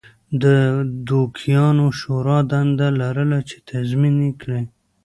د دوکیانو شورا دنده لرله چې تضمین کړي